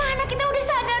pak anak kita sudah sadar pak